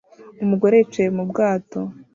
Umugore yicaye mu bwato